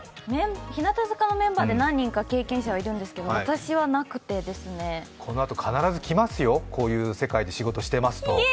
日向坂のメンバーで何人か経験者はいるんですけどこのあと必ずきますよ、こういう世界で仕事をしていると。